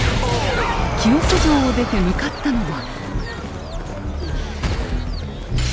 清須城を出て向かったのは。